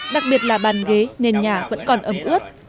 đặc biệt là bàn ghế nền nhà vẫn còn ấm ướt